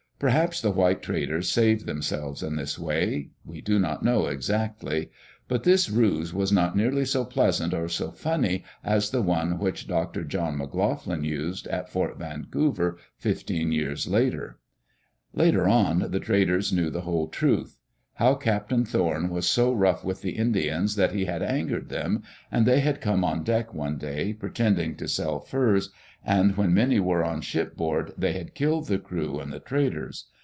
Perhaps the white traders saved themselves in this way. We do not know exactly. But this ruse was not nearly so pleasant or so funny as the one which Dr. John McLoughlin used at Fort Vancouver fifteen years later. Digitized by VjOOQ IC EARLY DAYS IN OLD OREGON Later on, the traders knew the whole truth. How Captain Thorn was so rough with the Indians that he had angered them, and they had come on deck one day, pretending to sell furs, and when many were on ship board they had killed the crew and the traders.